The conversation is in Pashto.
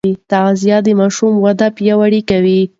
تغذيه د ماشوم وده پیاوړې کوي.